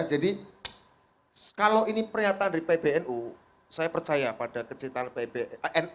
kalau ini pernyataan dari pbnu saya percaya pada kecintaan pbnu